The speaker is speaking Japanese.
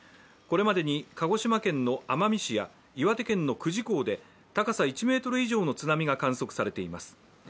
これまでに鹿児島県の奄美市や岩手県の久慈港で高さ１ｍ以上の津波が観測されています。